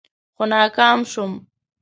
خو ناکام شوم.